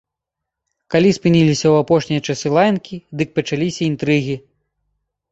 Калі спыніліся ў апошнія часы лаянкі, дык пачаліся інтрыгі.